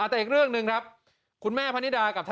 อ่าแต่อีกเรื่องนึงครับคุณแม่พันธิดากับธนายเดชา